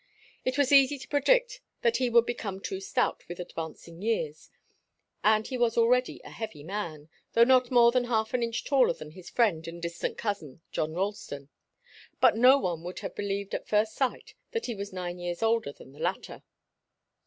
It was easy to predict that he would become too stout with advancing years, and he was already a heavy man, though not more than half an inch taller than his friend and distant cousin, John Ralston. But no one would have believed at first sight that he was nine years older than the latter.